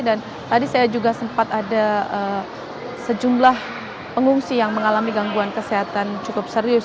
dan tadi saya juga sempat ada sejumlah pengungsi yang mengalami gangguan kesehatan cukup serius